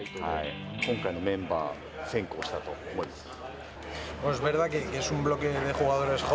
今回のメンバー選考をしたと思いますか？